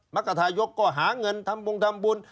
มักกะทายกก็หาเงินทำบุญทำบุญ